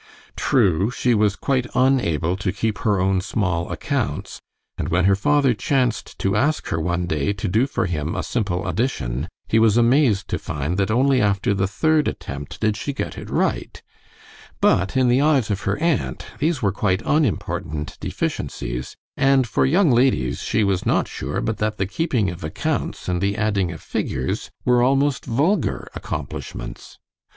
True, she was quite unable to keep her own small accounts, and when her father chanced to ask her one day to do for him a simple addition, he was amazed to find that only after the third attempt did she get it right; but, in the eyes of her aunt, these were quite unimportant deficiencies, and for young ladies she was not sure but that the keeping of accounts and the adding of figures were almost vulgar accomplishments.